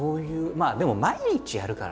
まあでも毎日やるからね